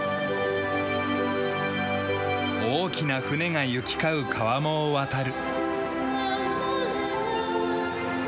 大きな船が行き交う川面を渡る。